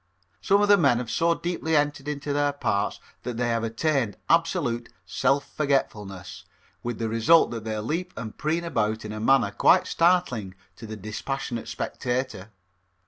Some of the men have so deeply entered into their parts that they have attained absolute self forgetfulness, with the result that they leap and preen about in a manner quite startling to the dispassionate spectator.